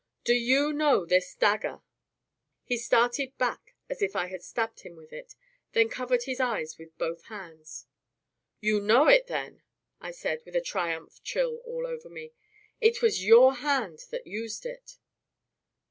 Do you know this dagger?" He started back, as if I had stabbed him with it, then covered his eyes with both hands. "You know it, then?" I said, with a triumph chill all over me. "It was your hand that used it."